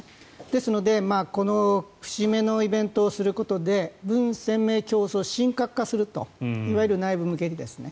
ですのでこの節目のイベントをすることでブン・センメイ教祖を神格化するといわゆる内部向けにですね。